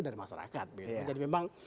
dari masyarakat jadi memang